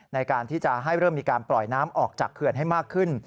ในการที่จะให้เริ่มมีการปล่อยน้ำออกจากเขื่อนให้มากขึ้น